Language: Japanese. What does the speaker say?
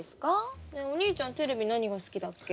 お兄ちゃんテレビ何が好きだっけ？